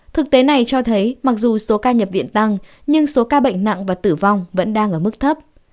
thực tế này cho thấy mặc dù số ca nhập viện tăng nhưng số ca bệnh nặng và tử vong vẫn đang ở mức thấp